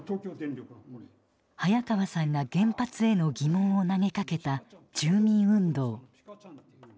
早川さんが原発への疑問を投げかけた住民運動。